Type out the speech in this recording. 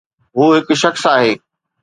هو هڪ شخص آهي.